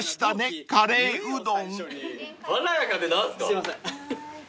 すいません。